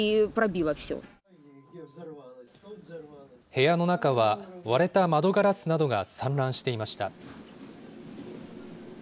部屋の中は、割れた窓ガラスなどが散乱していました。